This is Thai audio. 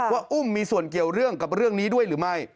ว่าอุ้มมีส่วนเกี่ยวเรื่องกับเรื่องนี้ด้วยหรือไม่